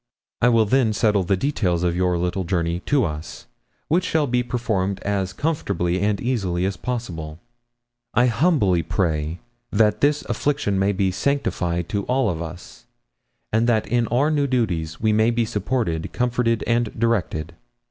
I will then settle the details of your little journey to us, which shall be performed as comfortably and easily as possible. I humbly pray that this affliction may be sanctified to us all, and that in our new duties we may be supported, comforted, and directed.